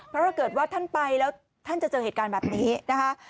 เพราะถ้าเกิดว่าท่านไปแล้วท่านจะเจอเหตุการณ์แบบนี้นะคะ